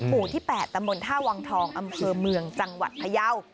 หมู่ที่๘ตำบลท่าวังทองอำเภอเมืองจังหวัดพยาว